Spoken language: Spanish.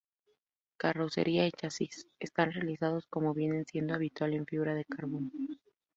Carrocería y chasis están realizados como viene siendo habitual en fibra de carbono.